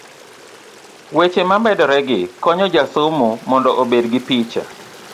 weche mamedoregi konyo jasomo mondo obed gi picha